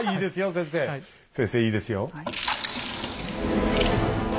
先生いいですよ。